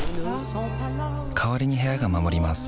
代わりに部屋が守ります